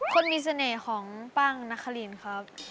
คนมีเสน่ห์ของป้างนครินครับ